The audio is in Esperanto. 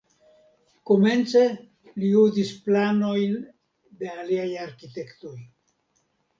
Komence li uzis planojn de aliaj arkitektoj.